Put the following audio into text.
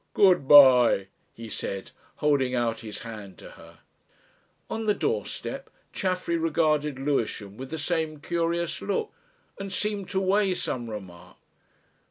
"Good bye," he said, holding out his hand to her. On the doorstep Chaffery regarded Lewisham with the same curious look, and seemed to weigh some remark.